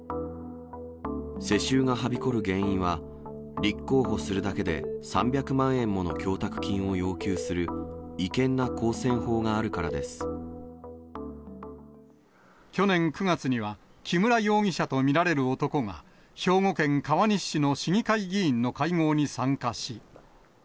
世襲がはびこる原因は、立候補するだけで３００万円もの供託金を要求する違憲な公選法が去年９月には、木村容疑者と見られる男が、兵庫県川西市の市議会議員の会合に参加し。